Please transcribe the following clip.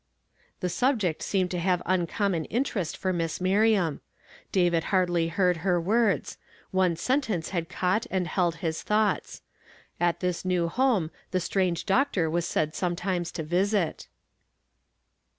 The subject seemed to have uncommon interest for INIiss ^Miriam. David hardly heard her words ; one sentence had caught and held his thoughts. At this new home the strange doctor was said sometimes to visit.